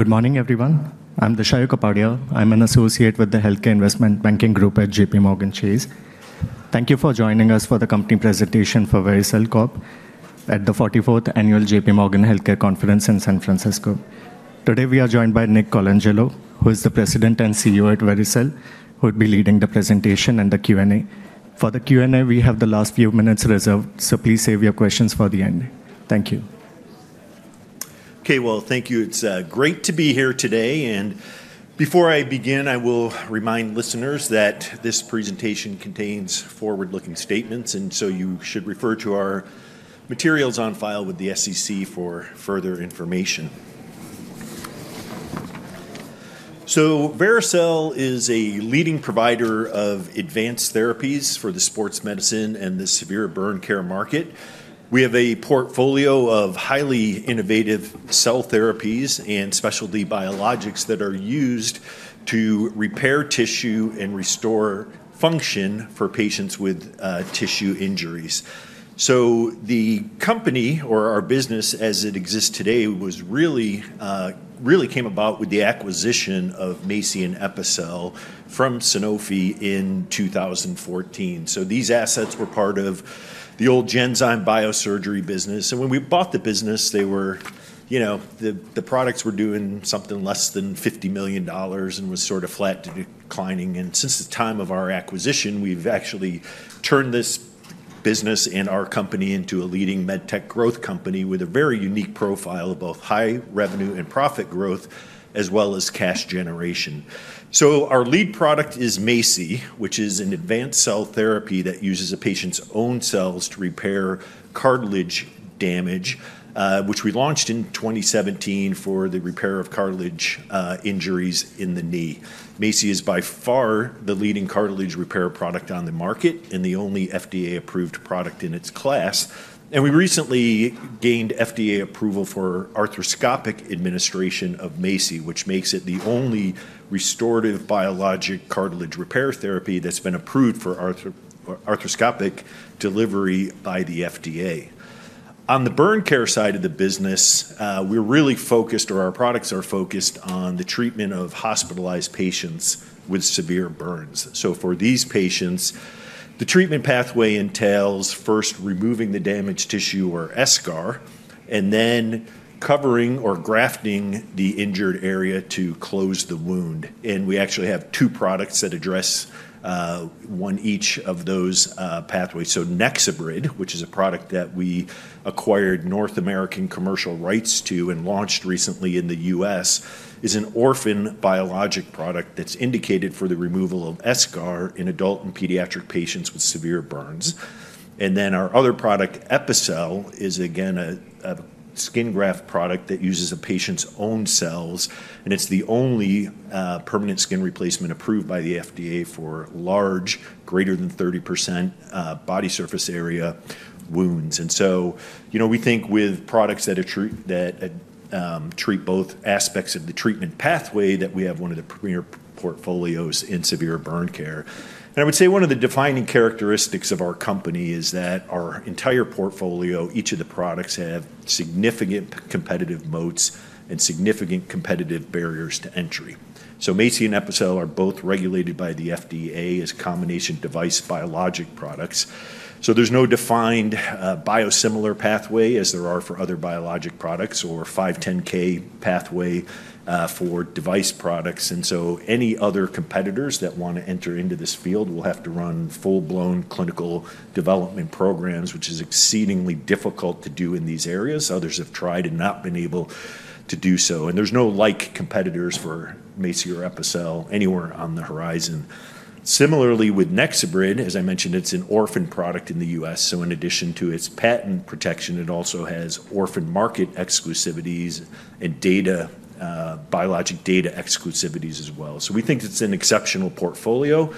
Good morning, everyone. I'm Disha Parekh. I'm an associate with the Healthcare Investment Banking Group at JPMorgan Chase. Thank you for joining us for the company presentation for Vericel Corp at the 44th Annual JPMorgan Healthcare Conference in San Francisco. Today, we are joined by Nick Colangelo, who is the President and CEO at Vericel, who will be leading the presentation and the Q&A. For the Q&A, we have the last few minutes reserved, so please save your questions for the end. Thank you. Okay, well, thank you. It's great to be here today. Before I begin, I will remind listeners that this presentation contains forward-looking statements, and so you should refer to our materials on file with the SEC for further information. Vericel is a leading provider of advanced therapies for the sports medicine and the severe burn care market. We have a portfolio of highly innovative cell therapies and specialty biologics that are used to repair tissue and restore function for patients with tissue injuries. The company, or our business as it exists today, really came about with the acquisition of MACI and Epicel from Sanofi in 2014. These assets were part of the old Genzyme Biosurgery business. When we bought the business, they were, you know, the products were doing something less than $50 million and were sort of flat declining. Since the time of our acquisition, we've actually turned this business and our company into a leading medtech growth company with a very unique profile of both high revenue and profit growth, as well as cash generation. Our lead product is MACI, which is an advanced cell therapy that uses a patient's own cells to repair cartilage damage, which we launched in 2017 for the repair of cartilage injuries in the knee. MACI is by far the leading cartilage repair product on the market and the only FDA-approved product in its class. We recently gained FDA approval for arthroscopic administration of MACI, which makes it the only restorative biologic cartilage repair therapy that's been approved for arthroscopic delivery by the FDA. On the burn care side of the business, we're really focused, or our products are focused, on the treatment of hospitalized patients with severe burns. So for these patients, the treatment pathway entails first removing the damaged tissue, or eschar, and then covering or grafting the injured area to close the wound. And we actually have two products that address one each of those pathways. So NexoBrid, which is a product that we acquired North American commercial rights to and launched recently in the U.S., is an orphan biologic product that's indicated for the removal of eschar in adult and pediatric patients with severe burns. And then our other product, Epicel, is again a skin graft product that uses a patient's own cells, and it's the only permanent skin replacement approved by the FDA for large, greater than 30% body surface area wounds. And so, you know, we think with products that treat both aspects of the treatment pathway that we have one of the premier portfolios in severe burn care. I would say one of the defining characteristics of our company is that our entire portfolio, each of the products, have significant competitive moats and significant competitive barriers to entry. So MACI and Epicel are both regulated by the FDA as combination device biologic products. So there's no defined biosimilar pathway as there are for other biologic products or 510(k) pathway for device products. And so any other competitors that want to enter into this field will have to run full-blown clinical development programs, which is exceedingly difficult to do in these areas. Others have tried and not been able to do so. And there's no like competitors for MACI or Epicel anywhere on the horizon. Similarly, with NexoBrid, as I mentioned, it's an orphan product in the U.S. So in addition to its patent protection, it also has orphan market exclusivities and biologic data exclusivities as well. We think it's an exceptional portfolio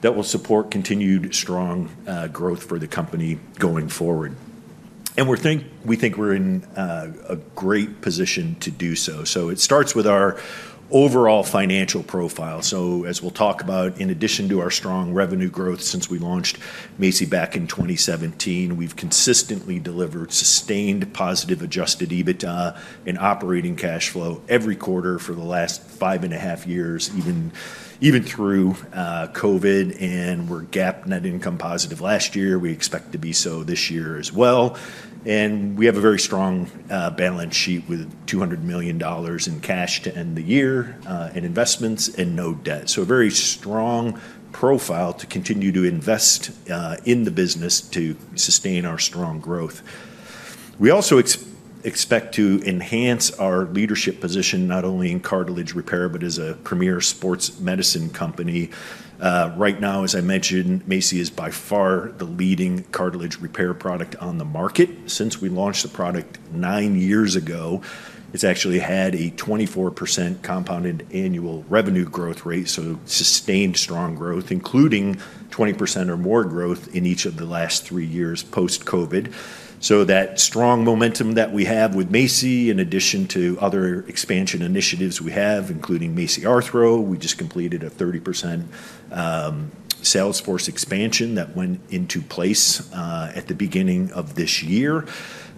that will support continued strong growth for the company going forward. We think we're in a great position to do so. It starts with our overall financial profile. As we'll talk about, in addition to our strong revenue growth since we launched MACI back in 2017, we've consistently delivered sustained positive Adjusted EBITDA and operating cash flow every quarter for the last five and a half years, even through COVID. We're GAAP net income positive last year. We expect to be so this year as well. We have a very strong balance sheet with $200 million in cash to end the year in investments and no debt. It is a very strong profile to continue to invest in the business to sustain our strong growth. We also expect to enhance our leadership position not only in cartilage repair, but as a premier sports medicine company. Right now, as I mentioned, MACI is by far the leading cartilage repair product on the market. Since we launched the product nine years ago, it's actually had a 24% compounded annual revenue growth rate, so sustained strong growth, including 20% or more growth in each of the last three years post-COVID. So that strong momentum that we have with MACI, in addition to other expansion initiatives we have, including MACI Arthro, we just completed a 30% sales force expansion that went into place at the beginning of this year,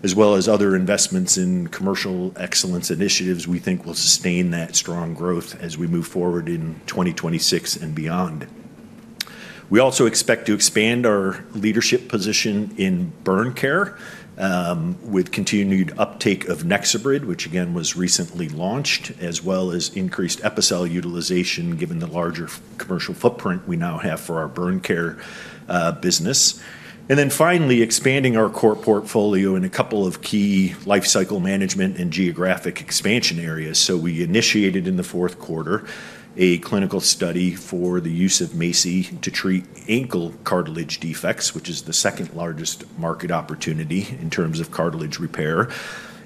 as well as other investments in commercial excellence initiatives. We think we'll sustain that strong growth as we move forward in 2026 and beyond. We also expect to expand our leadership position in burn care with continued uptake of NexoBrid, which again was recently launched, as well as increased Epicel utilization given the larger commercial footprint we now have for our burn care business. And then finally, expanding our core portfolio in a couple of key lifecycle management and geographic expansion areas. So we initiated in the fourth quarter a clinical study for the use of MACI to treat ankle cartilage defects, which is the second largest market opportunity in terms of cartilage repair.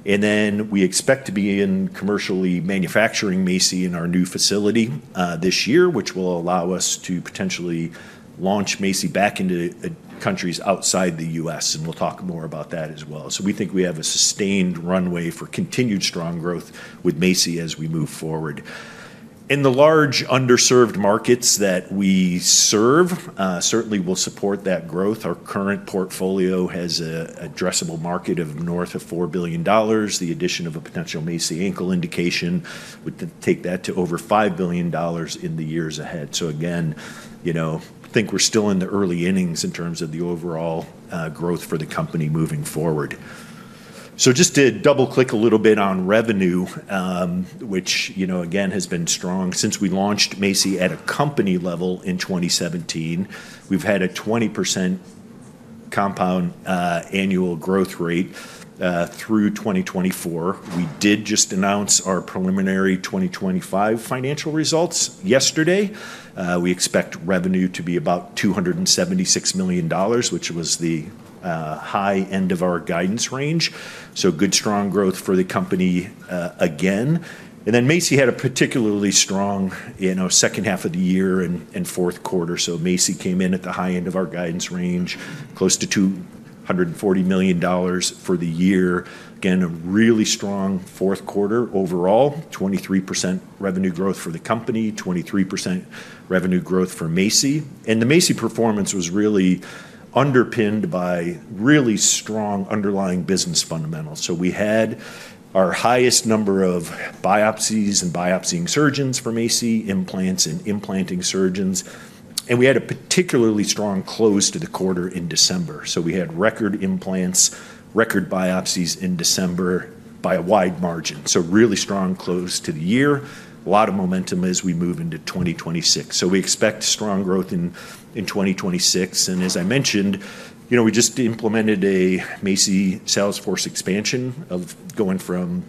And then we expect to be in commercially manufacturing MACI in our new facility this year, which will allow us to potentially launch MACI back into countries outside the U.S. And we'll talk more about that as well. So we think we have a sustained runway for continued strong growth with MACI as we move forward. In the large underserved markets that we serve, certainly we'll support that growth. Our current portfolio has an addressable market of north of $4 billion. The addition of a potential MACI ankle indication would take that to over $5 billion in the years ahead. So again, you know, I think we're still in the early innings in terms of the overall growth for the company moving forward. So just to double-click a little bit on revenue, which, you know, again has been strong since we launched MACI at a company level in 2017, we've had a 20% compound annual growth rate through 2024. We did just announce our preliminary 2025 financial results yesterday. We expect revenue to be about $276 million, which was the high end of our guidance range. So good, strong growth for the company again. And then MACI had a particularly strong, you know, second half of the year and fourth quarter. So MACI came in at the high end of our guidance range, close to $240 million for the year. Again, a really strong fourth quarter overall, 23% revenue growth for the company, 23% revenue growth for MACI. And the MACI performance was really underpinned by really strong underlying business fundamentals. So we had our highest number of biopsies and biopsying surgeons for MACI, implants and implanting surgeons. And we had a particularly strong close to the quarter in December. So we had record implants, record biopsies in December by a wide margin. So really strong close to the year. A lot of momentum as we move into 2026. So we expect strong growth in 2026. And as I mentioned, you know, we just implemented a MACI sales force expansion of going from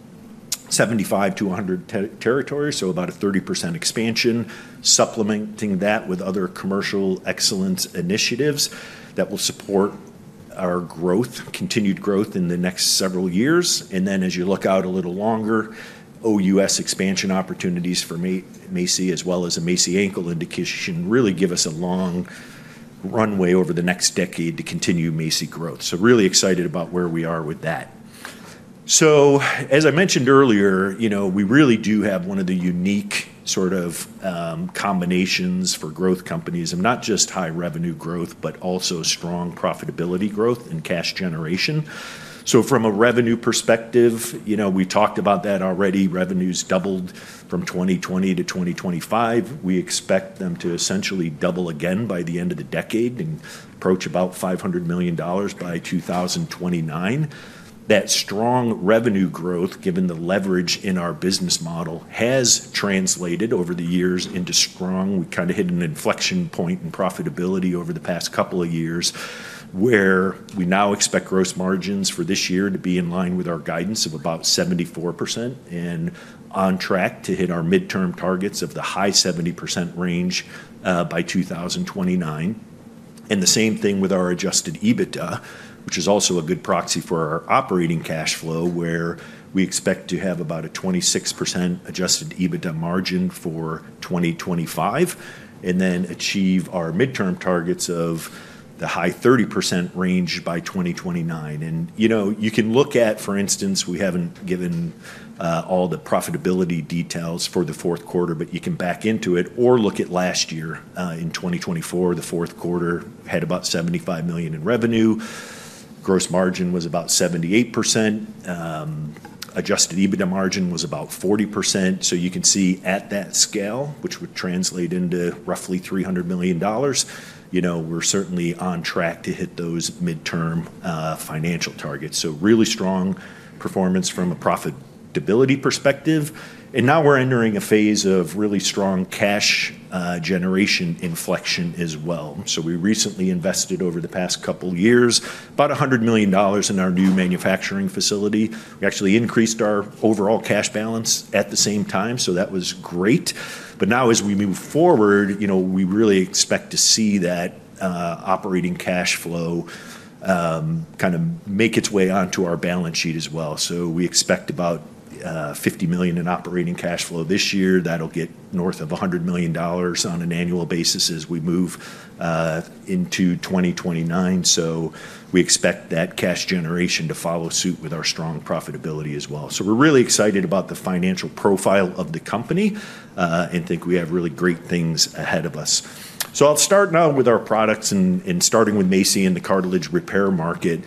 75 to 100 territories, so about a 30% expansion, supplementing that with other commercial excellence initiatives that will support our growth, continued growth in the next several years. And then as you look out a little longer, OUS expansion opportunities for MACI, as well as a MACI ankle indication, really give us a long runway over the next decade to continue MACI growth. So really excited about where we are with that. So as I mentioned earlier, you know, we really do have one of the unique sort of combinations for growth companies, and not just high revenue growth, but also strong profitability growth and cash generation. So from a revenue perspective, you know, we talked about that already. Revenues doubled from 2020 to 2025. We expect them to essentially double again by the end of the decade and approach about $500 million by 2029. That strong revenue growth, given the leverage in our business model, has translated over the years into strong. We kind of hit an inflection point in profitability over the past couple of years, where we now expect gross margins for this year to be in line with our guidance of about 74% and on track to hit our midterm targets of the high 70% range by 2029, and the same thing with our Adjusted EBITDA, which is also a good proxy for our operating cash flow, where we expect to have about a 26% Adjusted EBITDA margin for 2025, and then achieve our midterm targets of the high 30% range by 2029. You know, you can look at, for instance, we haven't given all the profitability details for the fourth quarter, but you can back into it or look at last year. In 2024, the fourth quarter had about $75 million in revenue. Gross margin was about 78%. Adjusted EBITDA margin was about 40%. You can see at that scale, which would translate into roughly $300 million, you know, we're certainly on track to hit those midterm financial targets. Really strong performance from a profitability perspective. Now we're entering a phase of really strong cash generation inflection as well. We recently invested over the past couple of years about $100 million in our new manufacturing facility. We actually increased our overall cash balance at the same time. That was great. But now as we move forward, you know, we really expect to see that operating cash flow kind of make its way onto our balance sheet as well. So we expect about $50 million in operating cash flow this year. That'll get north of $100 million on an annual basis as we move into 2029. So we expect that cash generation to follow suit with our strong profitability as well. So we're really excited about the financial profile of the company and think we have really great things ahead of us. So I'll start now with our products and starting with MACI in the cartilage repair market.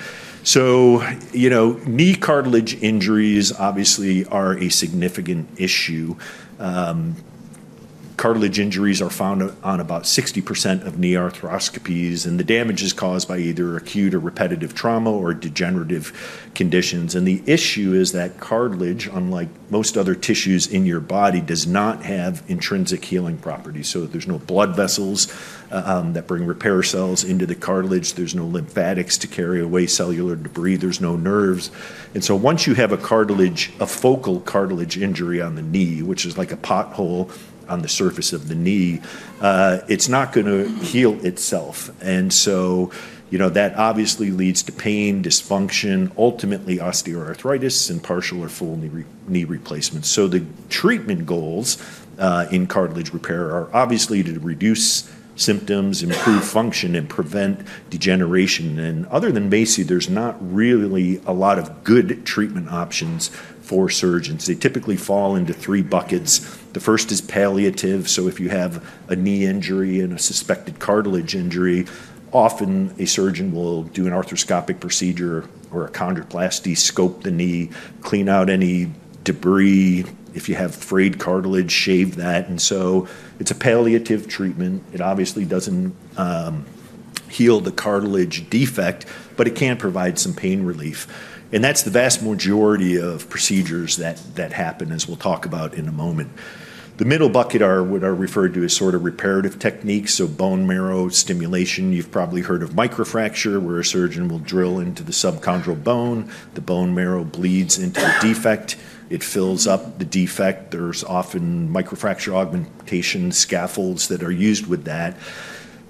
So, you know, knee cartilage injuries obviously are a significant issue. Cartilage injuries are found on about 60% of knee arthroscopies, and the damage is caused by either acute or repetitive trauma or degenerative conditions. The issue is that cartilage, unlike most other tissues in your body, does not have intrinsic healing properties. There's no blood vessels that bring repair cells into the cartilage. There's no lymphatics to carry away cellular debris. There's no nerves. Once you have a cartilage, a focal cartilage injury on the knee, which is like a pothole on the surface of the knee, it's not going to heal itself. You know, that obviously leads to pain, dysfunction, ultimately osteoarthritis and partial or full knee replacement. The treatment goals in cartilage repair are obviously to reduce symptoms, improve function, and prevent degeneration. Other than MACI, there's not really a lot of good treatment options for surgeons. They typically fall into three buckets. The first is palliative. So if you have a knee injury and a suspected cartilage injury, often a surgeon will do an arthroscopic procedure or a chondroplasty, scope the knee, clean out any debris. If you have frayed cartilage, shave that. And so it's a palliative treatment. It obviously doesn't heal the cartilage defect, but it can provide some pain relief. And that's the vast majority of procedures that happen, as we'll talk about in a moment. The middle bucket are what are referred to as sort of reparative techniques. So bone marrow stimulation. You've probably heard of microfracture, where a surgeon will drill into the subchondral bone. The bone marrow bleeds into the defect. It fills up the defect. There's often microfracture augmentation scaffolds that are used with that.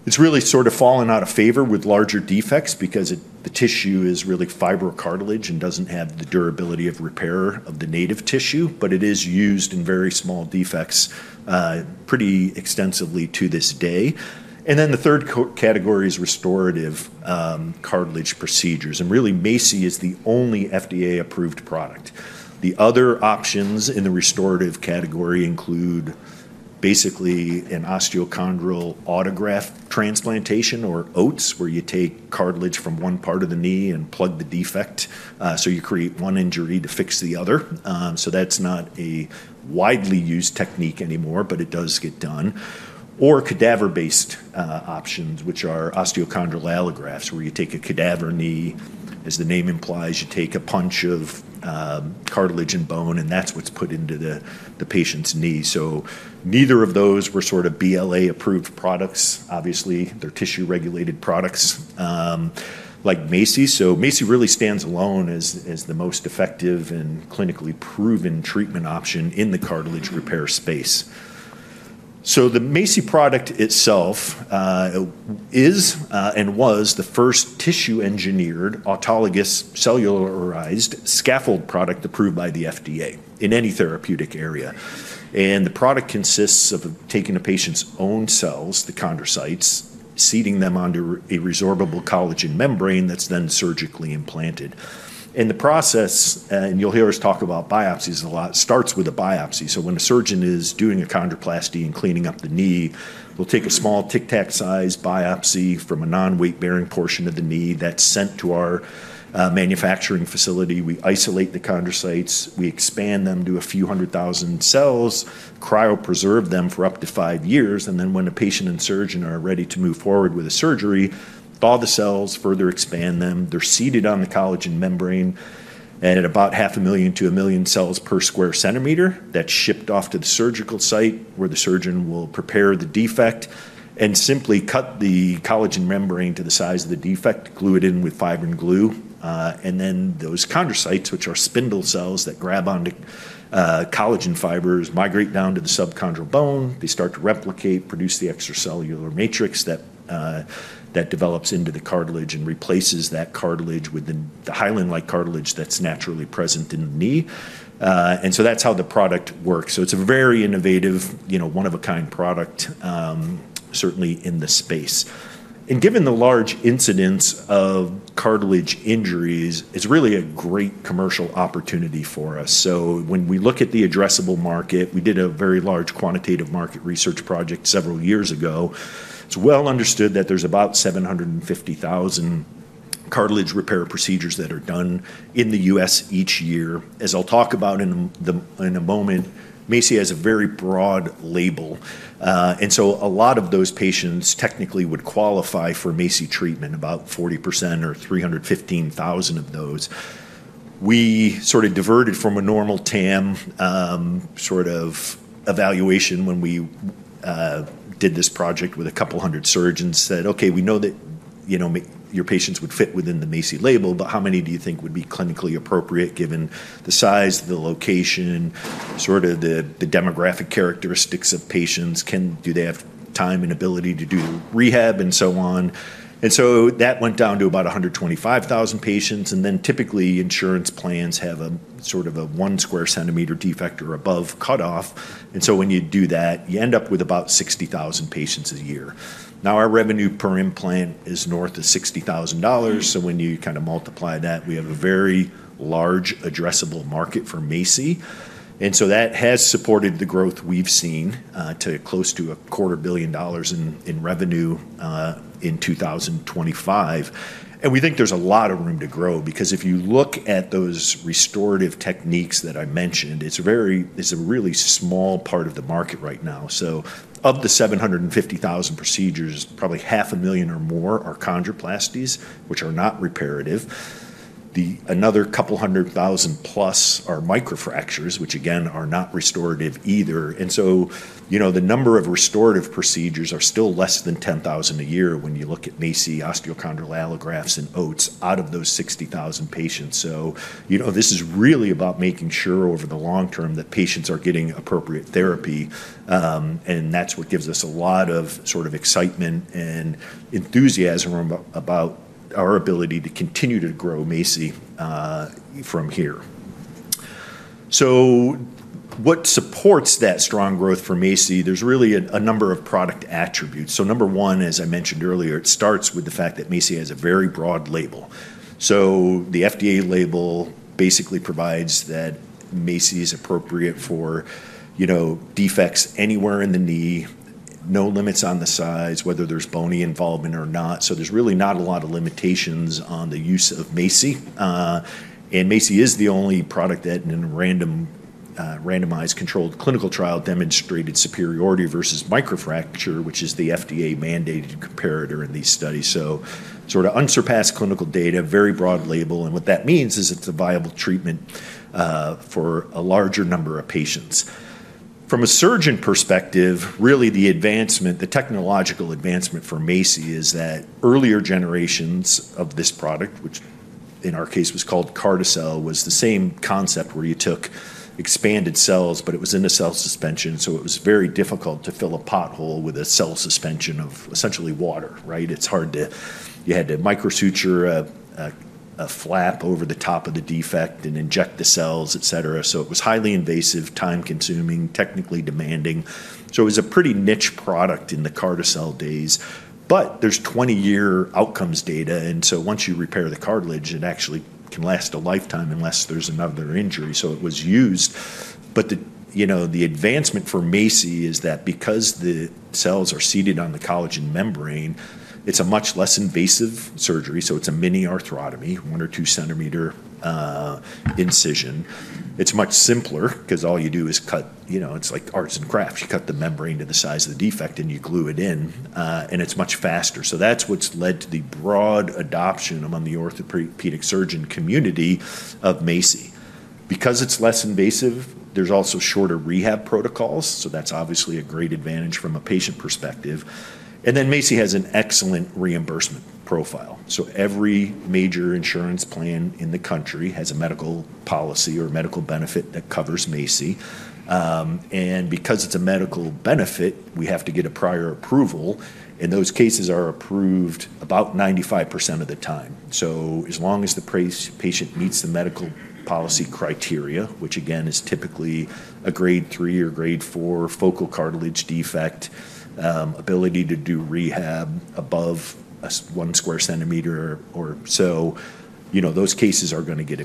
It's really sort of fallen out of favor with larger defects because the tissue is really fibrocartilage and doesn't have the durability of repair of the native tissue, but it is used in very small defects pretty extensively to this day. And then the third category is restorative cartilage procedures. And really, MACI is the only FDA-approved product. The other options in the restorative category include basically an osteochondral autograft transplantation or OATS, where you take cartilage from one part of the knee and plug the defect. So you create one injury to fix the other. So that's not a widely used technique anymore, but it does get done. Or cadaver-based options, which are osteochondral allografts, where you take a cadaver knee. As the name implies, you take a punch of cartilage and bone, and that's what's put into the patient's knee. Neither of those were sort of BLA-approved products. Obviously, they're tissue-regulated products like MACI. So MACI really stands alone as the most effective and clinically proven treatment option in the cartilage repair space. So the MACI product itself is and was the first tissue-engineered autologous cellularized scaffold product approved by the FDA in any therapeutic area. And the product consists of taking a patient's own cells, the chondrocytes, seeding them onto a resorbable collagen membrane that's then surgically implanted. And the process, and you'll hear us talk about biopsies a lot, starts with a biopsy. So when a surgeon is doing a chondroplasty and cleaning up the knee, we'll take a small Tic Tac-sized biopsy from a non-weight-bearing portion of the knee. That's sent to our manufacturing facility. We isolate the chondrocytes. We expand them to a few hundred thousand cells, cryopreserve them for up to five years. And then when a patient and surgeon are ready to move forward with a surgery, thaw the cells, further expand them. They're seated on the collagen membrane at about 500,000 to 1 million cells per square centimeter. That's shipped off to the surgical site where the surgeon will prepare the defect and simply cut the collagen membrane to the size of the defect, glue it in with fibrin glue. And then those chondrocytes, which are spindle cells that grab onto collagen fibers, migrate down to the subchondral bone. They start to replicate, produce the extracellular matrix that develops into the cartilage and replaces that cartilage with the hyaline-like cartilage that's naturally present in the knee. And so that's how the product works. So it's a very innovative, you know, one-of-a-kind product, certainly in the space. Given the large incidence of cartilage injuries, it's really a great commercial opportunity for us. When we look at the addressable market, we did a very large quantitative market research project several years ago. It's well understood that there's about 750,000 cartilage repair procedures that are done in the U.S. each year. As I'll talk about in a moment, MACI has a very broad label. And so a lot of those patients technically would qualify for MACI treatment, about 40% or 315,000 of those. We sort of diverted from a normal TAM sort of evaluation when we did this project with a couple hundred surgeons, said, "Okay, we know that, you know, your patients would fit within the MACI label, but how many do you think would be clinically appropriate given the size, the location, sort of the demographic characteristics of patients? Do they have time and ability to do rehab and so on?" And so that went down to about 125,000 patients. And then typically insurance plans have a sort of a 1 square centimeter defect or above cutoff. And so when you do that, you end up with about 60,000 patients a year. Now our revenue per implant is north of $60,000. So when you kind of multiply that, we have a very large addressable market for MACI. And so that has supported the growth we've seen to close to $250 million in revenue in 2025. And we think there's a lot of room to grow because if you look at those restorative techniques that I mentioned, it's a very, it's a really small part of the market right now. So of the 750,000 procedures, probably 500,000 or more are chondroplasties, which are not reparative. Then another couple hundred thousand plus are microfractures, which again are not restorative either, and so, you know, the number of restorative procedures are still less than 10,000 a year when you look at MACI, osteochondral allografts, and OATS out of those 60,000 patients, so, you know, this is really about making sure over the long term that patients are getting appropriate therapy, and that's what gives us a lot of sort of excitement and enthusiasm about our ability to continue to grow MACI from here, so what supports that strong growth for MACI? There's really a number of product attributes, so number one, as I mentioned earlier, it starts with the fact that MACI has a very broad label, so the FDA label basically provides that MACI is appropriate for, you know, defects anywhere in the knee, no limits on the size, whether there's bony involvement or not. So there's really not a lot of limitations on the use of MACI. And MACI is the only product that in a randomized controlled clinical trial demonstrated superiority versus microfracture, which is the FDA-mandated comparator in these studies. So sort of unsurpassed clinical data, very broad label. And what that means is it's a viable treatment for a larger number of patients. From a surgeon perspective, really the advancement, the technological advancement for MACI is that earlier generations of this product, which in our case was called Carticel, was the same concept where you took expanded cells, but it was in a cell suspension. So it was very difficult to fill a pothole with a cell suspension of essentially water, right? It's hard to, you had to microsuture a flap over the top of the defect and inject the cells, et cetera. So it was highly invasive, time-consuming, technically demanding. So it was a pretty niche product in the Carticel days. But there's 20-year outcomes data. And so once you repair the cartilage, it actually can last a lifetime unless there's another injury. So it was used. But the, you know, the advancement for MACI is that because the cells are seated on the collagen membrane, it's a much less invasive surgery. So it's a mini arthrotomy, one- or two-centimeter incision. It's much simpler because all you do is cut, you know, it's like arts and crafts. You cut the membrane to the size of the defect and you glue it in. And it's much faster. So that's what's led to the broad adoption among the orthopedic surgeon community of MACI. Because it's less invasive, there's also shorter rehab protocols. So that's obviously a great advantage from a patient perspective. And then MACI has an excellent reimbursement profile. Every major insurance plan in the country has a medical policy or medical benefit that covers MACI. And because it's a medical benefit, we have to get a prior approval. And those cases are approved about 95% of the time. So as long as the patient meets the medical policy criteria, which again is typically a grade three or grade four focal cartilage defect, ability to do rehab above 1 sq cm or so, you know, those cases are going to get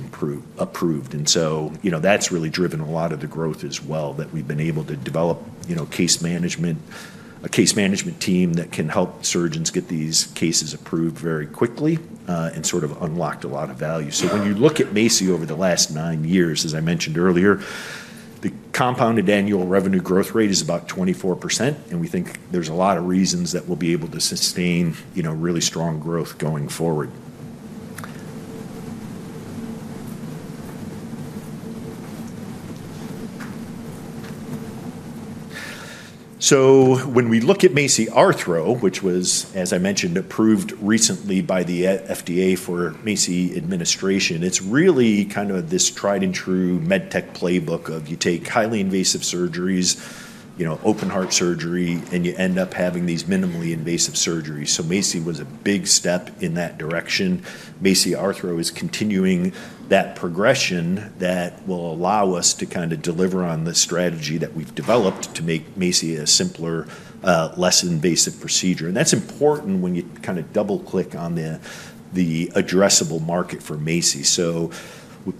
approved. And so, you know, that's really driven a lot of the growth as well that we've been able to develop, you know, case management, a case management team that can help surgeons get these cases approved very quickly and sort of unlocked a lot of value. When you look at MACI over the last nine years, as I mentioned earlier, the compounded annual revenue growth rate is about 24%. We think there's a lot of reasons that we'll be able to sustain, you know, really strong growth going forward. When we look at MACI Arthro, which was, as I mentioned, approved recently by the FDA for MACI administration, it's really kind of this tried-and-true med tech playbook of you take highly invasive surgeries, you know, open-heart surgery, and you end up having these minimally invasive surgeries. MACI was a big step in that direction. MACI Arthro is continuing that progression that will allow us to kind of deliver on the strategy that we've developed to make MACI a simpler, less invasive procedure. That's important when you kind of double-click on the addressable market for MACI.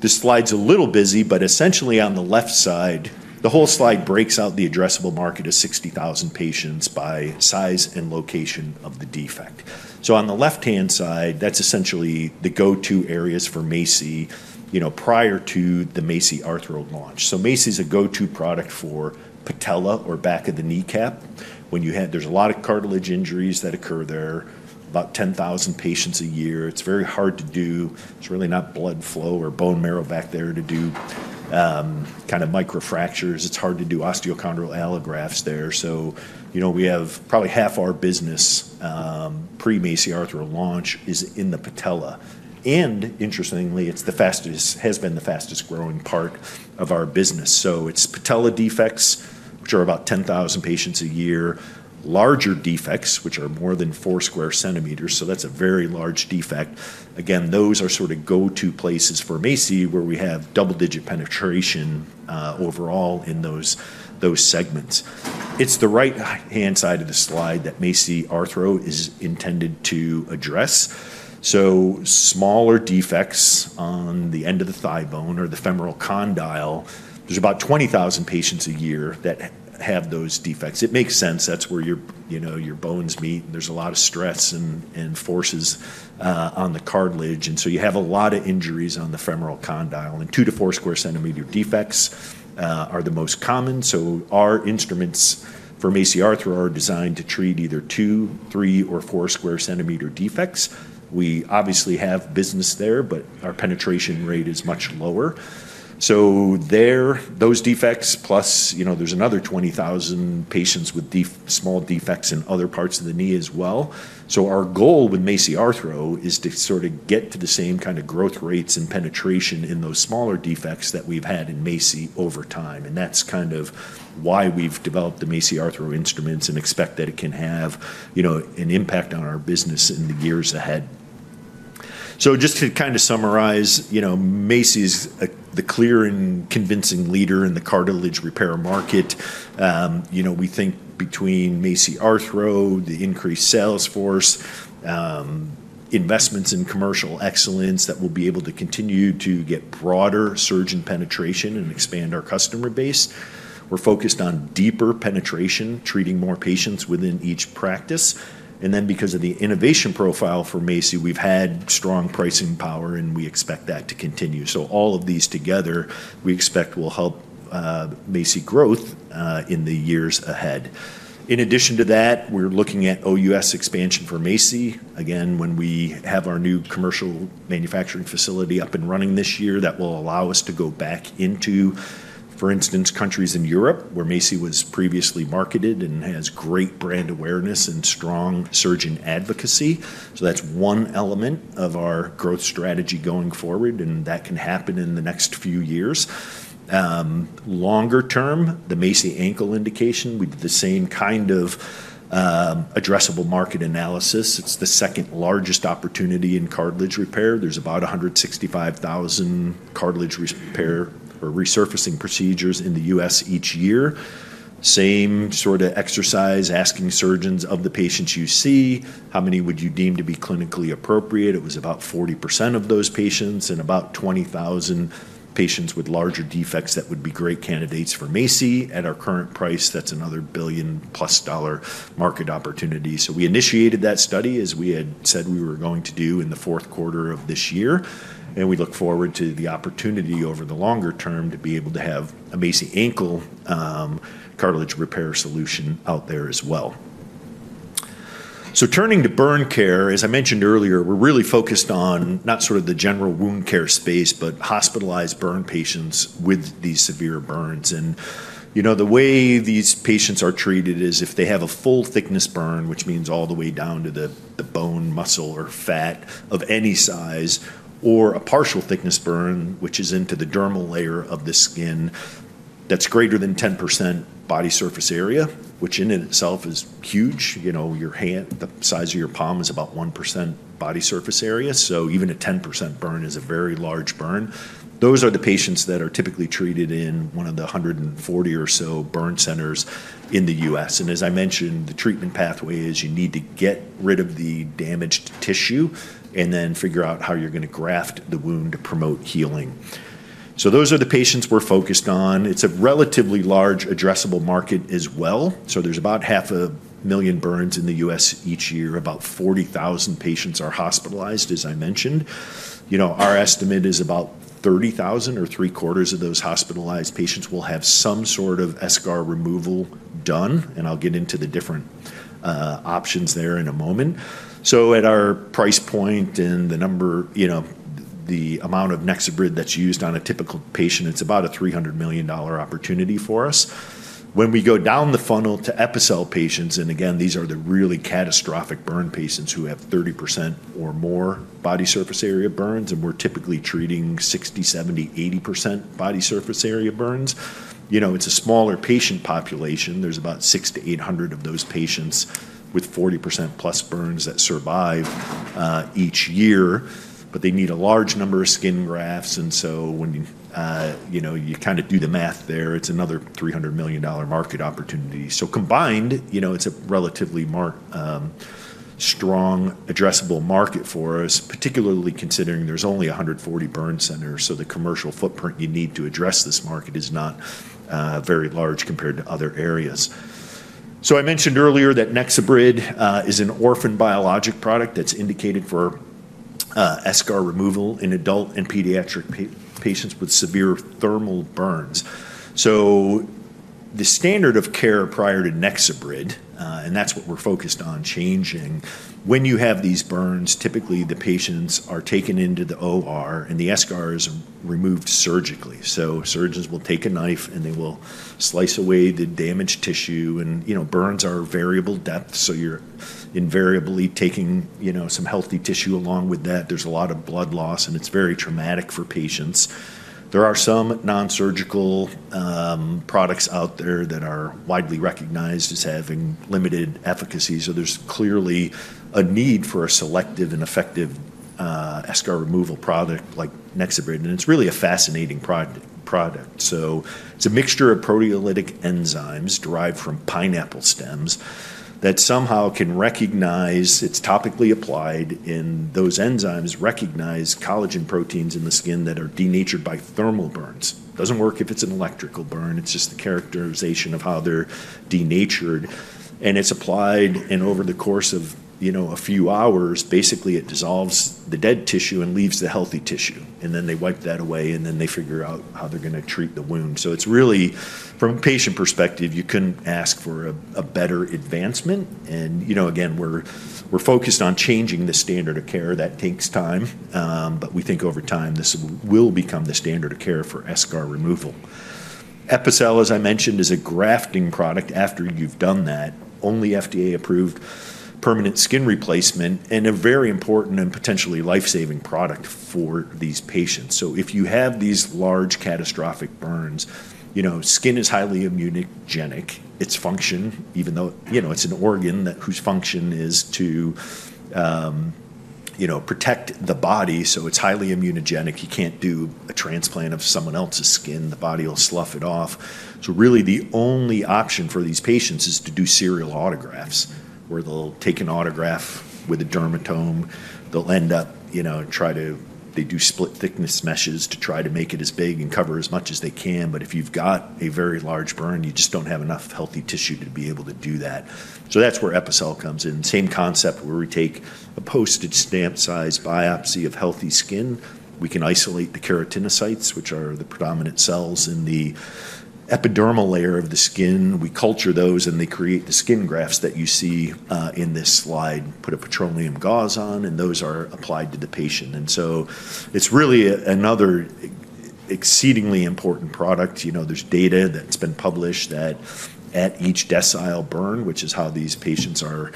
This slide's a little busy, but essentially on the left side, the whole slide breaks out the addressable market of 60,000 patients by size and location of the defect. On the left-hand side, that's essentially the go-to areas for MACI, you know, prior to the MACI Arthro launch. MACI's a go-to product for patella or back of the kneecap. When you have, there's a lot of cartilage injuries that occur there, about 10,000 patients a year. It's very hard to do. It's really not blood flow or bone marrow back there to do kind of microfractures. It's hard to do osteochondral allografts there. You know, we have probably half our business pre-MACI Arthro launch is in the patella. Interestingly, it's the fastest, has been the fastest growing part of our business. It's patella defects, which are about 10,000 patients a year, larger defects, which are more than 4 sq cm. That's a very large defect. Again, those are sort of go-to places for MACI where we have double-digit penetration overall in those segments. It's the right-hand side of the slide that MACI Arthro is intended to address. Smaller defects on the end of the thigh bone or the femoral condyle, there's about 20,000 patients a year that have those defects. It makes sense. That's where your, you know, your bones meet and there's a lot of stress and forces on the cartilage. And so you have a lot of injuries on the femoral condyle. And two to four sq cm defects are the most common. Our instruments for MACI Arthro are designed to treat either two, three, or four sq cm defects. We obviously have business there, but our penetration rate is much lower so there, those defects, plus, you know, there's another 20,000 patients with small defects in other parts of the knee as well so our goal with MACI Arthro is to sort of get to the same kind of growth rates and penetration in those smaller defects that we've had in MACI over time and that's kind of why we've developed the MACI Arthro instruments and expect that it can have, you know, an impact on our business in the years ahead so just to kind of summarize, you know, MACI is the clear and convincing leader in the cartilage repair market. You know, we think between MACI Arthro, the increased sales force, investments in commercial excellence that will be able to continue to get broader surgeon penetration and expand our customer base. We're focused on deeper penetration, treating more patients within each practice. And then because of the innovation profile for MACI, we've had strong pricing power and we expect that to continue. So all of these together, we expect will help MACI growth in the years ahead. In addition to that, we're looking at OUS expansion for MACI. Again, when we have our new commercial manufacturing facility up and running this year, that will allow us to go back into, for instance, countries in Europe where MACI was previously marketed and has great brand awareness and strong surgeon advocacy. So that's one element of our growth strategy going forward, and that can happen in the next few years. Longer term, the MACI ankle indication, we did the same kind of addressable market analysis. It's the second largest opportunity in cartilage repair. There's about 165,000 cartilage repair or resurfacing procedures in the U.S. each year. Same sort of exercise, asking surgeons of the patients you see, how many would you deem to be clinically appropriate? It was about 40% of those patients and about 20,000 patients with larger defects that would be great candidates for MACI. At our current price, that's another $1 billion-plus market opportunity. So we initiated that study as we had said we were going to do in the fourth quarter of this year. And we look forward to the opportunity over the longer term to be able to have a MACI ankle cartilage repair solution out there as well. So turning to burn care, as I mentioned earlier, we're really focused on not sort of the general wound care space, but hospitalized burn patients with these severe burns. You know, the way these patients are treated is if they have a full thickness burn, which means all the way down to the bone, muscle, or fat of any size, or a partial thickness burn, which is into the dermal layer of the skin, that's greater than 10% body surface area, which in itself is huge. You know, your hand, the size of your palm is about 1% body surface area. So even a 10% burn is a very large burn. Those are the patients that are typically treated in one of the 140 or so burn centers in the U.S. And as I mentioned, the treatment pathway is you need to get rid of the damaged tissue and then figure out how you're going to graft the wound to promote healing. So those are the patients we're focused on. It's a relatively large addressable market as well. There's about 500,000 burns in the U.S. each year. About 40,000 patients are hospitalized, as I mentioned. You know, our estimate is about 30,000 or three quarters of those hospitalized patients will have some sort of eschar removal done. I'll get into the different options there in a moment. At our price point and the number, you know, the amount of NexoBrid that's used on a typical patient, it's about a $300 million opportunity for us. When we go down the funnel to Epicel patients, and again, these are the really catastrophic burn patients who have 30% or more body surface area burns, and we're typically treating 60%, 70%, 80% body surface area burns. You know, it's a smaller patient population. There's about 600-800 of those patients with 40% plus burns that survive each year, but they need a large number of skin grafts, and so when, you know, you kind of do the math there, it's another $300 million market opportunity, so combined, you know, it's a relatively strong addressable market for us, particularly considering there's only 140 burn centers, so the commercial footprint you need to address this market is not very large compared to other areas, so I mentioned earlier that NexoBrid is an orphan biologic product that's indicated for eschar removal in adult and pediatric patients with severe thermal burns, so the standard of care prior to NexoBrid, and that's what we're focused on changing. When you have these burns, typically the patients are taken into the OR and the eschars are removed surgically. So surgeons will take a knife and they will slice away the damaged tissue. And, you know, burns are variable depth, so you're invariably taking, you know, some healthy tissue along with that. There's a lot of blood loss and it's very traumatic for patients. There are some non-surgical products out there that are widely recognized as having limited efficacy. So there's clearly a need for a selective and effective eschar removal product like NexoBrid. And it's really a fascinating product. So it's a mixture of proteolytic enzymes derived from pineapple stems that somehow can recognize, it's topically applied in those enzymes recognize collagen proteins in the skin that are denatured by thermal burns. Doesn't work if it's an electrical burn. It's just the characterization of how they're denatured. And it's applied and over the course of, you know, a few hours, basically it dissolves the dead tissue and leaves the healthy tissue. And then they wipe that away and then they figure out how they're going to treat the wound. So it's really, from a patient perspective, you couldn't ask for a better advancement. And, you know, again, we're focused on changing the standard of care. That takes time. But we think over time this will become the standard of care for eschar removal. Epicel, as I mentioned, is a grafting product after you've done that, only FDA approved permanent skin replacement and a very important and potentially life-saving product for these patients. So if you have these large catastrophic burns, you know, skin is highly immunogenic. Its function, even though, you know, it's an organ whose function is to, you know, protect the body. So it's highly immunogenic. You can't do a transplant of someone else's skin. The body will slough it off. So really the only option for these patients is to do serial autografts where they'll take an autograft with a dermatome. They'll end up, you know, they do split thickness meshes to try to make it as big and cover as much as they can. But if you've got a very large burn, you just don't have enough healthy tissue to be able to do that. So that's where Epicel comes in. Same concept where we take a postage stamp size biopsy of healthy skin. We can isolate the keratinocytes, which are the predominant cells in the epidermal layer of the skin. We culture those and they create the skin grafts that you see in this slide, put a petroleum gauze on, and those are applied to the patient. And so it's really another exceedingly important product. You know, there's data that's been published that at each decile burn, which is how these patients are,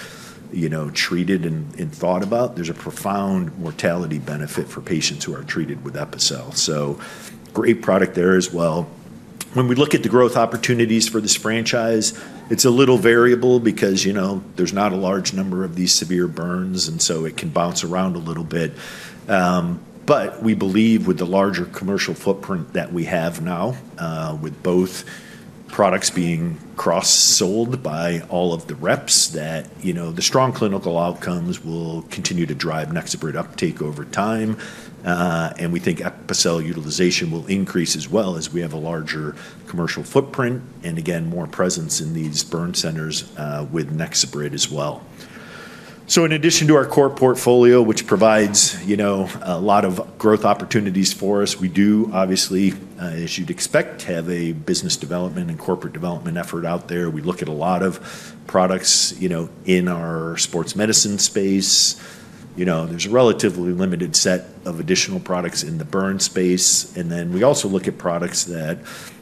you know, treated and thought about, there's a profound mortality benefit for patients who are treated with Epicel. So great product there as well. When we look at the growth opportunities for this franchise, it's a little variable because, you know, there's not a large number of these severe burns, and so it can bounce around a little bit. But we believe with the larger commercial footprint that we have now, with both products being cross-sold by all of the reps, that, you know, the strong clinical outcomes will continue to drive NexoBrid uptake over time. And we think Epicel utilization will increase as well as we have a larger commercial footprint and again, more presence in these burn centers with NexoBrid as well. So in addition to our core portfolio, which provides, you know, a lot of growth opportunities for us, we do obviously, as you'd expect, have a business development and corporate development effort out there. We look at a lot of products, you know, in our sports medicine space. You know, there's a relatively limited set of additional products in the burn space. And then we also look at products that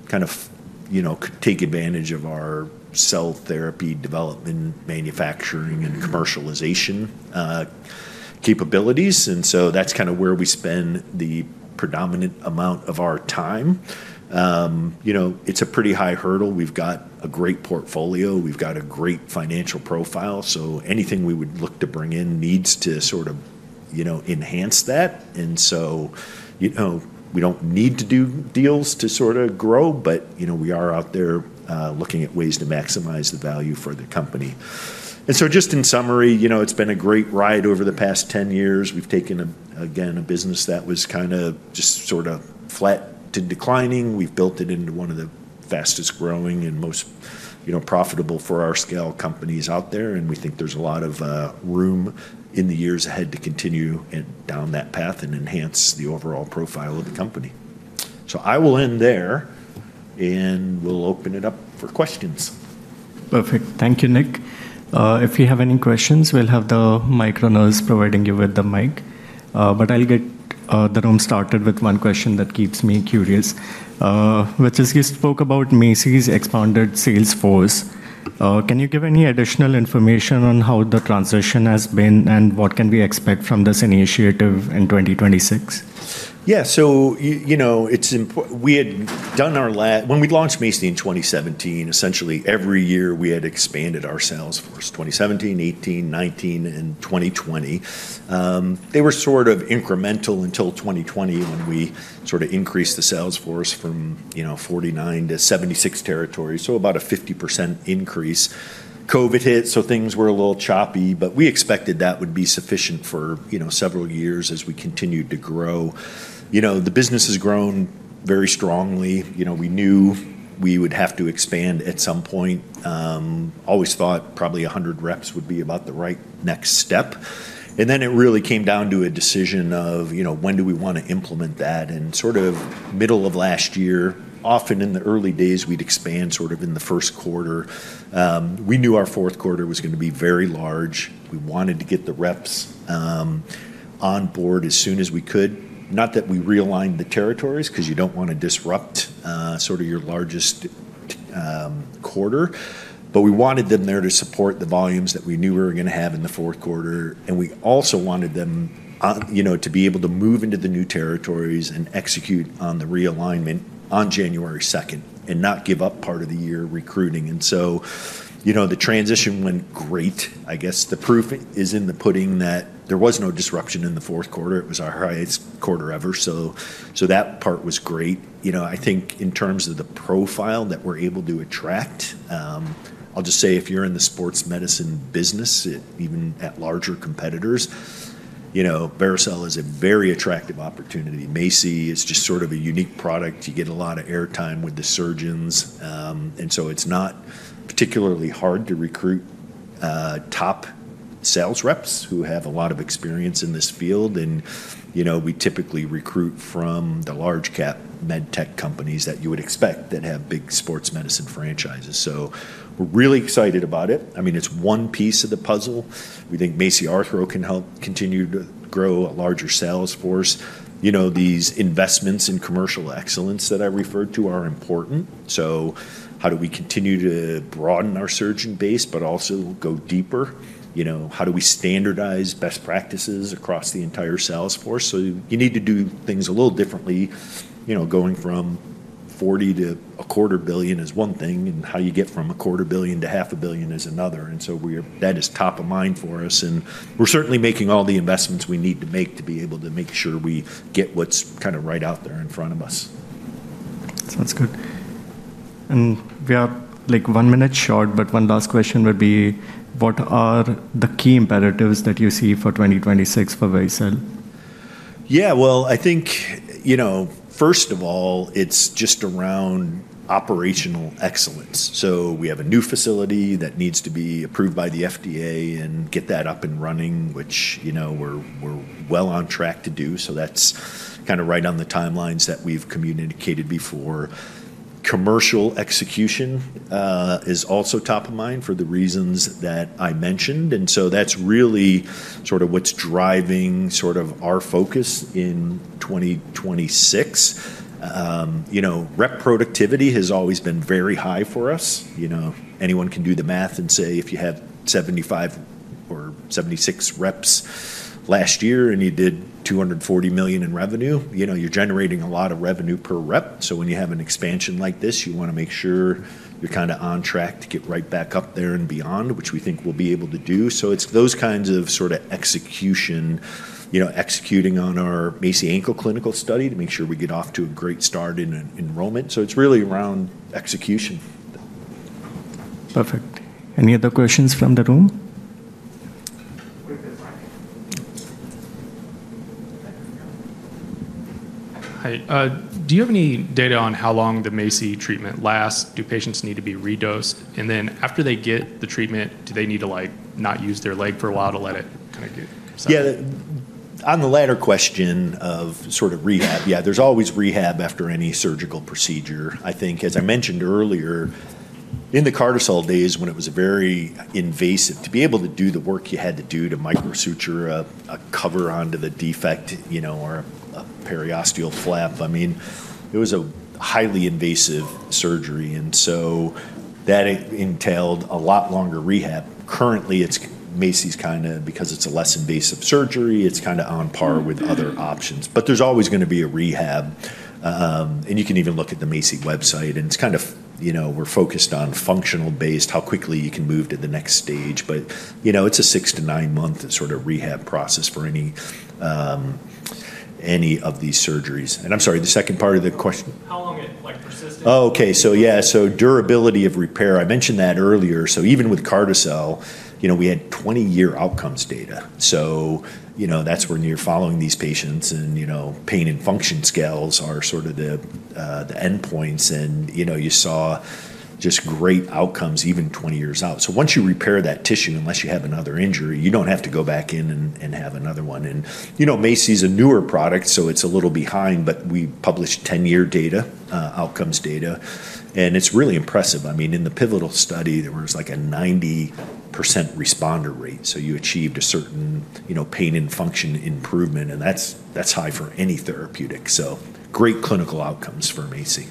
kind of, you know, could take advantage of our cell therapy development, manufacturing, and commercialization capabilities. And so that's kind of where we spend the predominant amount of our time. You know, it's a pretty high hurdle. We've got a great portfolio. We've got a great financial profile. So anything we would look to bring in needs to sort of, you know, enhance that. And so, you know, we don't need to do deals to sort of grow, but, you know, we are out there looking at ways to maximize the value for the company. And so just in summary, you know, it's been a great ride over the past 10 years. We've taken, again, a business that was kind of just sort of flat to declining. We've built it into one of the fastest growing and most, you know, profitable for our scale companies out there. And we think there's a lot of room in the years ahead to continue down that path and enhance the overall profile of the company. So I will end there and we'll open it up for questions. Perfect. Thank you, Nick. If you have any questions, we'll have the mic runners providing you with the mic. But I'll get the room started with one question that keeps me curious, which is you spoke about MACI's expanded sales force. Can you give any additional information on how the transition has been and what can we expect from this initiative in 2026? Yeah, so, you know, it's important. We had done our last, when we launched MACI's in 2017, essentially every year we had expanded our sales force, 2017, 2018, 2019, and 2020. They were sort of incremental until 2020 when we sort of increased the sales force from, you know, 49 to 76 territories. So about a 50% increase. COVID hit, so things were a little choppy, but we expected that would be sufficient for, you know, several years as we continued to grow. You know, the business has grown very strongly. You know, we knew we would have to expand at some point. Always thought probably 100 reps would be about the right next step. And then it really came down to a decision of, you know, when do we want to implement that? And sort of middle of last year, often in the early days, we'd expand sort of in the first quarter. We knew our fourth quarter was going to be very large. We wanted to get the reps on board as soon as we could. Not that we realigned the territories because you don't want to disrupt sort of your largest quarter, but we wanted them there to support the volumes that we knew we were going to have in the fourth quarter. And we also wanted them, you know, to be able to move into the new territories and execute on the realignment on January 2nd and not give up part of the year recruiting. And so, you know, the transition went great. I guess the proof is in the pudding that there was no disruption in the fourth quarter. It was our highest quarter ever. So that part was great. You know, I think in terms of the profile that we're able to attract, I'll just say if you're in the sports medicine business, even at larger competitors, you know, Vericel is a very attractive opportunity. MACI is just sort of a unique product. You get a lot of airtime with the surgeons. And so it's not particularly hard to recruit top sales reps who have a lot of experience in this field. And, you know, we typically recruit from the large cap med tech companies that you would expect that have big sports medicine franchises. So we're really excited about it. I mean, it's one piece of the puzzle. We think MACI Arthro can help continue to grow a larger sales force. You know, these investments in commercial excellence that I referred to are important. So how do we continue to broaden our surgeon base, but also go deeper? You know, how do we standardize best practices across the entire sales force? So you need to do things a little differently. You know, going from $40 million to $250 million is one thing and how you get from $250 million to $500 million is another. And so that is top of mind for us. And we're certainly making all the investments we need to make to be able to make sure we get what's kind of right out there in front of us. Sounds good. And we are like one minute short, but one last question would be, what are the key imperatives that you see for 2026 for Vericel? Yeah, well, I think, you know, first of all, it's just around operational excellence. So we have a new facility that needs to be approved by the FDA and get that up and running, which, you know, we're well on track to do. So that's kind of right on the timelines that we've communicated before. Commercial execution is also top of mind for the reasons that I mentioned. And so that's really sort of what's driving sort of our focus in 2026. You know, rep productivity has always been very high for us. You know, anyone can do the math and say if you have 75 or 76 reps last year and you did $240 million in revenue, you know, you're generating a lot of revenue per rep. So when you have an expansion like this, you want to make sure you're kind of on track to get right back up there and beyond, which we think we'll be able to do. So it's those kinds of sort of execution, you know, executing on our MACI ankle clinical study to make sure we get off to a great start in enrollment. So it's really around execution. Perfect. Any other questions from the room? Hi, do you have any data on how long the MACI treatment lasts? Do patients need to be redosed? Then after they get the treatment, do they need to like not use their leg for a while to let it kind of get? Yeah, on the latter question of sort of rehab, yeah, there's always rehab after any surgical procedure. I think, as I mentioned earlier, in the Carticel days when it was very invasive, to be able to do the work you had to do to microsuture a cover onto the defect, you know, or a periosteal flap. I mean, it was a highly invasive surgery. And so that entailed a lot longer rehab. Currently, it's MACI kind of, because it's a less invasive surgery, it's kind of on par with other options. But there's always going to be a rehab. And you can even look at the MACI website. It's kind of, you know, we're focused on functional based, how quickly you can move to the next stage, but you know, it's a six-to-nine-month sort of rehab process for any of these surgeries. I'm sorry, the second part of the question. How long it like persisted? Oh, okay, so yeah, so durability of repair. I mentioned that earlier, so even with Carticel, you know, we had 20-year outcomes data. You know, that's when you're following these patients and, you know, pain and function scales are sort of the endpoints. You know, you saw just great outcomes even 20 years out. Once you repair that tissue, unless you have another injury, you don't have to go back in and have another one. You know, MACI is a newer product, so it's a little behind, but we published 10-year data, outcomes data. It's really impressive. I mean, in the pivotal study, there was like a 90% responder rate. So you achieved a certain, you know, pain and function improvement. And that's high for any therapeutic. Great clinical outcomes for MACI.